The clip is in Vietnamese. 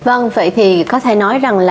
vâng vậy thì có thể nói rằng là